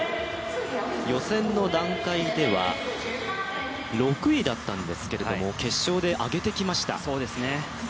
予選の段階では６位だったんですけども決勝で上げてきました。